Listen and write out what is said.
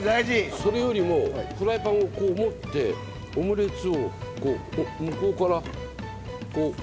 それよりもフライパンをこう持ってオムレツを向こうから押さえて逆から逆ですね。